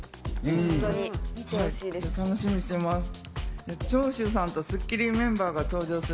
じゃあ、楽しみにしてます。